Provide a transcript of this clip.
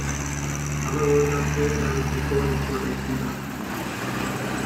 However the King died before it could receive the Seal.